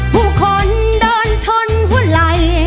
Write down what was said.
ผู้คนโดนชนหัวไหล่